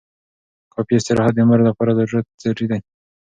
کافي استراحت د مور لپاره ضروري دی.